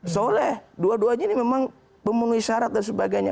soleh dua duanya ini memang memenuhi syarat dan sebagainya